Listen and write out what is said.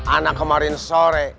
anak kemarin sore